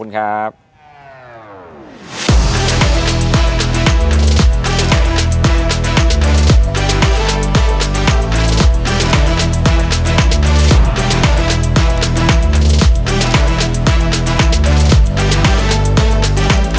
โปรดติดตามตอนต่อไป